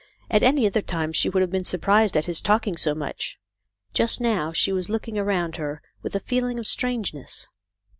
At any other time she would have been surprised at his talking so much. Just now she was looking around her with a feeling of strangeness.